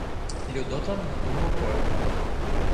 Людота махнув рукою.